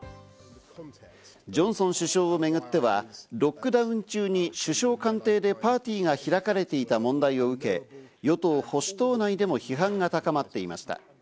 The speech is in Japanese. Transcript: ジョンソン首相をめぐっては、ロックダウン中に首相官邸でパーティーが開かれていた問題を受け、与党・保守党内でも批判が高まっていました。